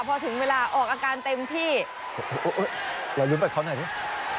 พอถึงเวลาออกอาการเต็มที่โอ๊ยรอลุ้นไปเขาหน่อยนิดนึง